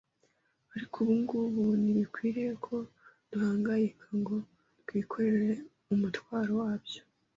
Ariko ubungubu ntibikwiriye ko duhangayika ngo twikorere umutwaro wabyo